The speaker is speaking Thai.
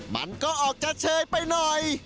มันก็ออกจะเชยไปหน่อย